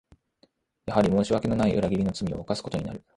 やはり申し訳のない裏切りの罪を犯すことになる